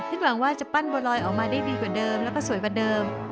หวังว่าจะปั้นบัวลอยออกมาได้ดีกว่าเดิมแล้วก็สวยกว่าเดิม